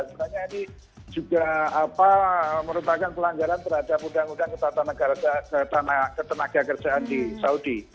sebenarnya ini juga merupakan pelanggaran terhadap undang undang ketenaga kerjaan di saudi